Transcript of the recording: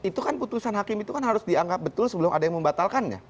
itu kan putusan hakim itu kan harus dianggap betul sebelum ada yang membatalkannya